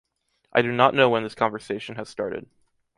I do not know when this conversation has started.